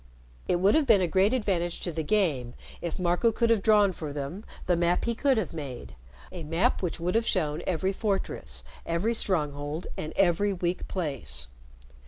It would have been a great advantage to the game if Marco could have drawn for them the map he could have made, a map which would have shown every fortress every stronghold and every weak place.